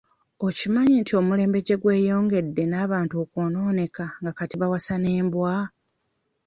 Okimanyi nti omulembe gye gweyongedde n'abantu okwonooneka nga kati bawasa n'embwa?